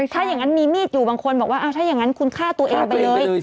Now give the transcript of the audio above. ถ้าอย่างนั้นมีมีดอยู่บางคนบอกว่าถ้าอย่างนั้นคุณฆ่าตัวเองไปเลย